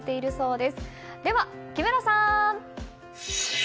では、木村さん！